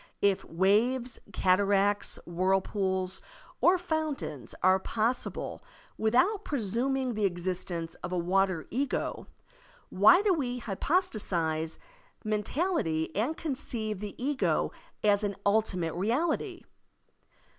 If waves, cataracts, whirlpools, or fountains are possible without presuming the existence of a water ego, why do we hypostatize mentality and conceive the ego as an ultimate reality?